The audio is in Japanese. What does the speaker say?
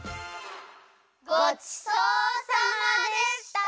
ごちそうさまでした！